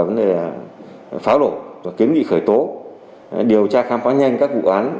vấn đề pháo nổ và kiến nghị khởi tố điều tra khám phá nhanh các vụ án